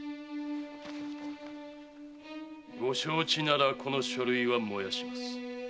ご承知ならこの書類は燃やします。